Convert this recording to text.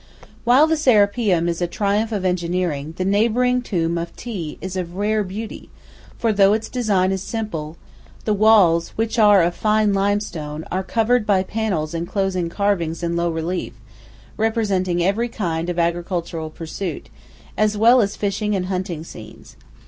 While the Serapeum is a triumph of engineering, the neighbouring tomb of Thi is of rare beauty, for though its design is simple, the walls, which are of fine limestone, are covered by panels enclosing carvings in low relief, representing every kind of agricultural pursuits, as well as fishing and hunting scenes.